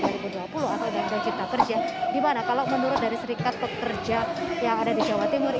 atau undang undang cipta kerja di mana kalau menurut dari serikat pekerja yang ada di jawa timur